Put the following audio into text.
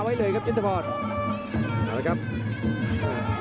พยาบกระแทกมัดเย็บซ้าย